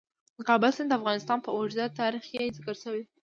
د کابل سیند د افغانستان په اوږده تاریخ کې ذکر شوی.